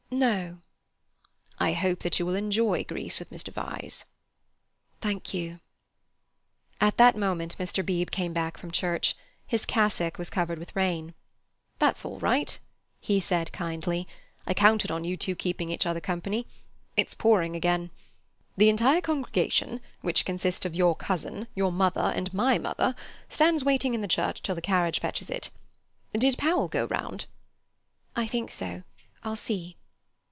"No." "I hope that you will enjoy Greece with Mr. Vyse." "Thank you." At that moment Mr. Beebe came back from church. His cassock was covered with rain. "That's all right," he said kindly. "I counted on you two keeping each other company. It's pouring again. The entire congregation, which consists of your cousin, your mother, and my mother, stands waiting in the church, till the carriage fetches it. Did Powell go round?" "I think so; I'll see."